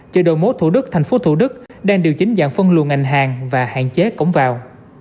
chợ đầu mối thủ đức tp thủ đức đang điều chính dạng phân luận ảnh hàng và hạn chế cống vào